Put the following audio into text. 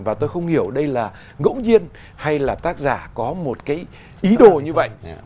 và tôi không hiểu đây là ngẫu nhiên hay là tác giả có một cái ý đồ như vậy